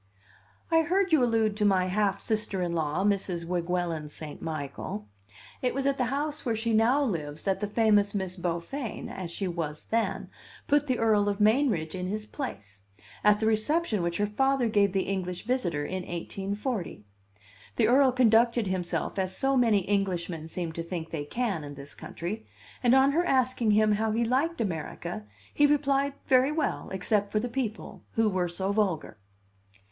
"I heard you allude to my half sister in law, Mrs. Weguelin St. Michael. It was at the house where she now lives that the famous Miss Beaufain (as she was then) put the Earl of Mainridge in his place, at the reception which her father gave the English visitor in 1840. The Earl conducted himself as so many Englishmen seem to think they can in this country; and on her asking him how he liked America, he replied, very well, except for the people, who were so vulgar.